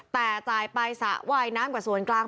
แต่จ่ายไปสระว่ายน้ำกับส่วนกลาง